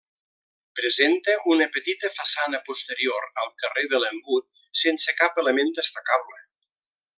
Presenta una petita façana posterior al carrer de l'Embut, sense cap element destacable.